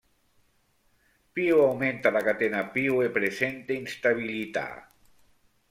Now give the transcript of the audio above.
Più aumenta la catena più è presente instabilità.